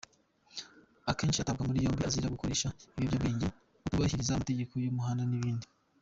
Akenshi atabwa muri yombi azira gukoresha ibiyobyabwenge, kutubahiriza amategeko y’umuhanda n’ibindi.